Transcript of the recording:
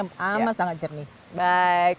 sama sangat jernih baik